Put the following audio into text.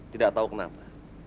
tidak tahu kenapa